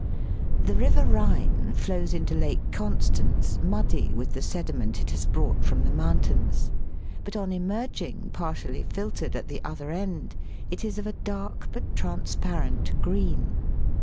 The River Rhine flows into Lake Constance muddy with the sediment it has brought from the mountains ; but on emerging partially filtered at the other end it is of a dark but transparent green.